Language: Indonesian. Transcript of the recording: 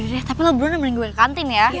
udah deh tapi lo berdua nemenin gue ke kantin ya